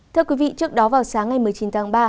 thưa quý vị trước đó vào sáng ngày một mươi chín tháng ba